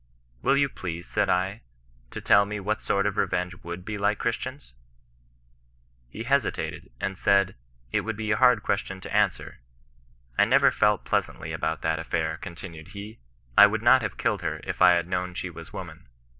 " Will you please," said I, " to tell mo what sort of revenge wotddoe like ChristianB?" He hesitated, and said, it would be a bard question to CHMSTIAN VOJr SBSISTANGS. 1'29 answer. ^ I neTer felt pleasantly about that afiair," continued he ;'^ I would not have killed her if I had known she was woman."